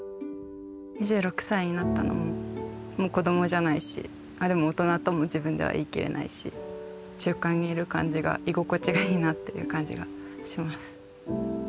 ２６歳になったのももう子供じゃないしでも大人とも自分では言い切れないし中間にいる感じが居心地がいいなっていう感じがします。